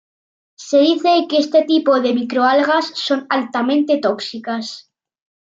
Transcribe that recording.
Se dice que este tipo de micro-algas son altamente tóxicas.